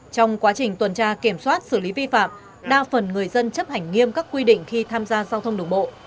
trong quá trình tuần tra kiểm soát xử lý vi phạm đa phần người dân chấp hành nghiêm các quy định khi tham gia giao thông đường bộ